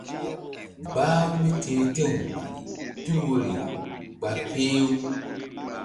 Bah-u míti̧h ti̧w tul woyri ɓa peh-u.